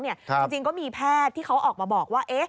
จริงก็มีแพทย์ที่เขาออกมาบอกว่า